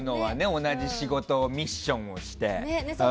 同じ仕事、ミッションをして。